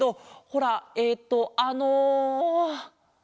ほらえっとあの。